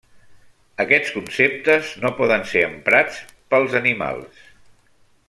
Aquests conceptes no poden ser emprats pels animals.